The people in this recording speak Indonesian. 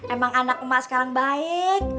emang anak emak sekarang baik